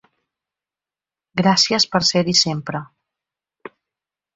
Gràcies per ser-hi sempre!